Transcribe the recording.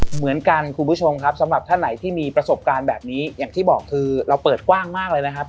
เหมือนกันคุณผู้ชมครับสำหรับท่านไหนที่มีประสบการณ์แบบนี้อย่างที่บอกคือเราเปิดกว้างมากเลยนะครับ